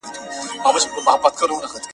تشې چيغې د هېواد درد نه دوا کوي.